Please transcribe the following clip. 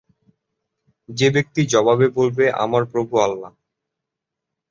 যে ব্যক্তি জবাবে বলবে, আমার প্রভু আল্লাহ!